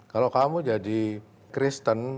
kalau kamu jadi kristen